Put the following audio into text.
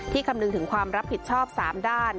คำนึงถึงความรับผิดชอบ๓ด้าน